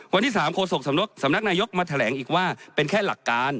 วันที่๓โศกสำนักนายกมาแถลงอีกว่าเป็นแค่หลักการ